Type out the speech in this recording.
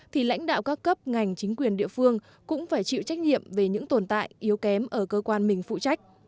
thì lãnh đạo các cấp ngành chính quyền địa phương cũng phải chịu trách nhiệm về những tồn tại yếu kém ở cơ quan mình phụ trách